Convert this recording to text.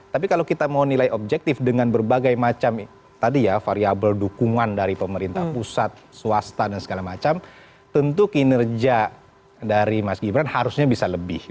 tapi kalau kita mau nilai objektif dengan berbagai macam tadi ya variable dukungan dari pemerintah pusat swasta dan segala macam tentu kinerja dari mas gibran harusnya bisa lebih